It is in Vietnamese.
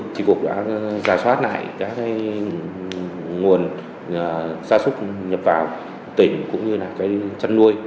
các trạng kiểm soát này các nguồn da súc nhập vào tỉnh cũng như là chân nuôi